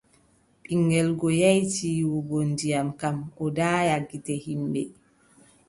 To ɓiŋngel go yehi tiiwugo ndiyam kam, o daaya gite yimɓe.